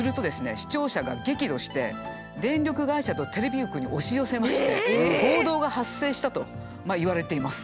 視聴者が激怒して電力会社とテレビ局に押し寄せまして暴動が発生したといわれています。